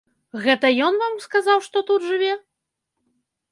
Гэта ён вам сказаў, што тут жыве?